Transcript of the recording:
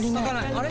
あれ？